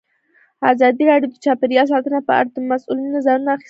ازادي راډیو د چاپیریال ساتنه په اړه د مسؤلینو نظرونه اخیستي.